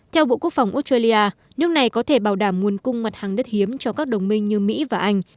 theo bộ quốc phòng australia nước này có thể bảo đảm nguồn cung mặt hàng đất hiếm cho các đồng minh như mỹ và anh